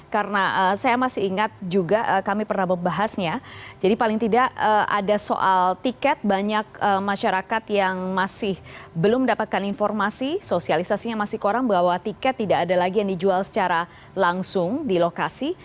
karena saya masih ingat juga kami pernah membahasnya jadi paling tidak ada soal tiket banyak masyarakat yang masih belum mendapatkan informasi sosialisasinya masih kurang bahwa tiket tidak ada lagi yang dijual secara langsung di lokasi